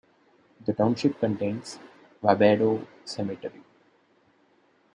The township contains Wabedo Cemetery.